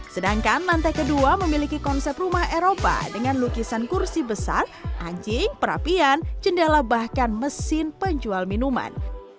sedangkan lantai kedua memiliki konsep rumah eropa dengan lukisan kursi besar anjing perapian jendela bahkan mesin penjual minuman